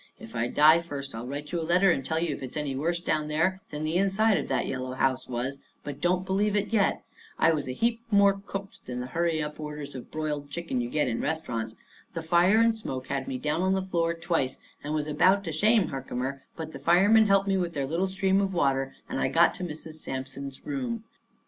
If I die first I'll write you a letter and tell you if it's any worse down there than the inside of that yellow house was; but don't believe it yet. I was a heap more cooked than the hurry up orders of broiled chicken that you get in restaurants. The fire and smoke had me down on the floor twice, and was about to shame Herkimer, but the firemen helped me with their little stream of water, and I got to Mrs. Sampson's room.